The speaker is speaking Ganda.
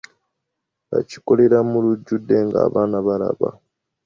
Akikolera mu lujjudde ng'abaana balaba.